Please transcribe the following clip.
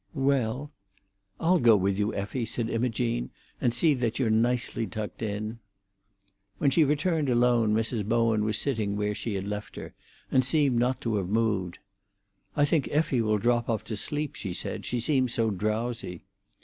"Well." "I'll go with you, Effie," said Imogene, "and see that you're nicely tucked in." When she returned alone, Mrs. Bowen was sitting where she had left her, and seemed not to have moved. "I think Effie will drop off to sleep," she said; "she seems drowsy."